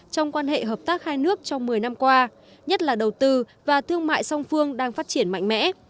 trong quan hệ hợp tác hai nước trong một mươi năm qua nhất là đầu tư và thương mại song phương đang phát triển mạnh mẽ